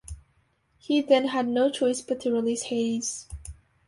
He then had no choice but to release Hades.